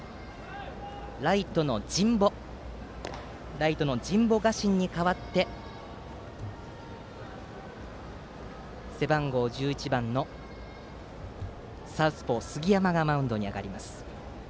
ライトの神保我心に代わって背番号１１番のサウスポー杉山がマウンドに上がります。